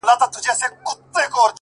اوس سودايي يمه اوس داسې حرکت کومه!